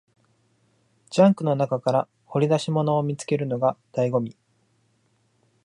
ジャンクの中から掘り出し物を見つけるのが醍醐味